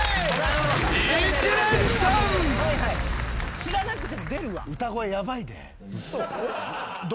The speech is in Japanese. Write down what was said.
知らなくても出るわ。